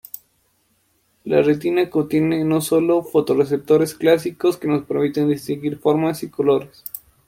La retina contiene no sólo fotorreceptores clásicos que nos permiten distinguir formas y colores.